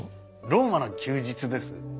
『ローマの休日』です。